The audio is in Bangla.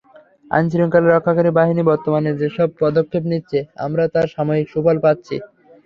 আইনশৃঙ্খলা রক্ষাকারী বাহিনী বর্তমানে যেসব পদক্ষেপ নিচ্ছে, আমরা তার সাময়িক সুফল পাচ্ছি।